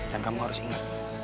dan kamu harus ingat